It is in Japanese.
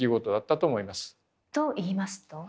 といいますと？